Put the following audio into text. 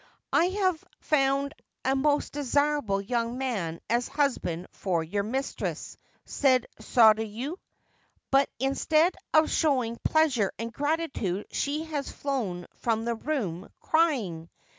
* I have found a most desirable young man as husband for your mistress/ said Sodayu ;' but instead of showing pleasure and gratitude she has flown from the room crying.